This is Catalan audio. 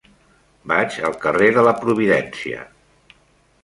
Vaig al carrer de la Providència.